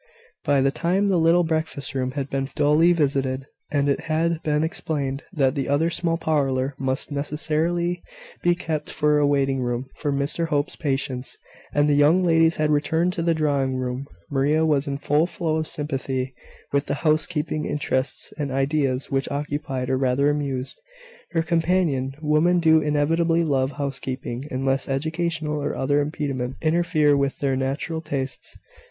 By the time the little breakfast room had been duly visited, and it had been explained that the other small parlour must necessarily be kept for a waiting room for Mr Hope's patients, and the young ladies had returned to the drawing room, Maria was in full flow of sympathy with the housekeeping interests and ideas which occupied, or rather amused, her companion. Women do inevitably love housekeeping, unless educational or other impediments interfere with their natural tastes.